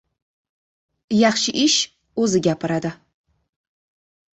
• Yaxshi ish o‘zi gapiradi.